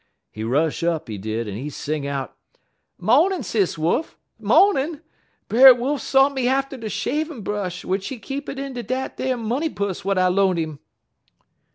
He rush up, he did, en he sing out: "'Mawnin', Sis Wolf, mawnin'! Brer Wolf sont me atter de shavin' brush, w'ich he keep it in dat ar money pus w'at I 'loant 'im.'